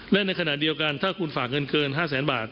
และในขณะเดียวกันถ้าคุณฝากเงินเกิน๕แสนบาท